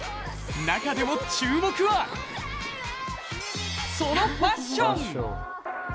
中でも注目はそのファッション。